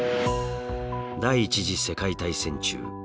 第１次世界大戦中